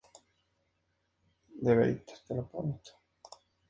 Tras ganar el título tuvo un feudo de dos meses con Sid Vicious.